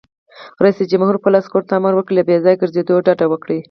رئیس جمهور خپلو عسکرو ته امر وکړ؛ له بې ځایه ګرځېدو ډډه وکړئ!